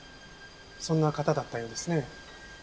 そんな方だったようですね。